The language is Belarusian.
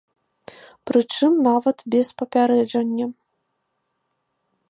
Прычым нават без папярэджання.